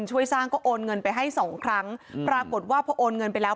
ช่วยสร้างก็โอนเงินไปให้สองครั้งปรากฏว่าพอโอนเงินไปแล้ว